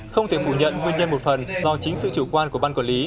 không thể phủ nhận nguyên nhân một phần do chính sự chủ quan của ban quản lý